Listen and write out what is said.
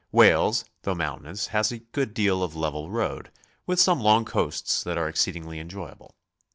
Wales, though mountainous, has a go'od deal of level road, with some long coasts that are exceedingly enjoyable.